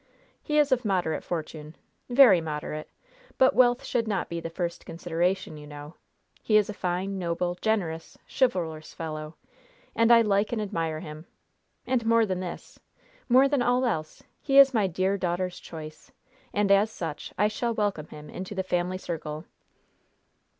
He is of moderate fortune, very moderate; but wealth should not be the first consideration, you know! He is a fine, noble, generous, chivalrous fellow, and I like and admire him. And more than this more than all else, he is my dear daughter's choice, and as such I shall welcome him into the family circle."